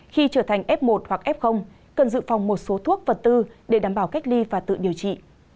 khi trở thành f một hoặc f cần dự phòng một số thuốc vật tư để đảm bảo cách ly và tự điều trị